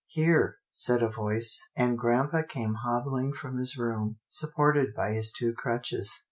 " Here," said a voice, and grampa came hob bling from his room, supported by his two crutches.